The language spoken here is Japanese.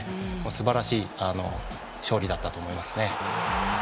すばらしい勝利だったと思いますね。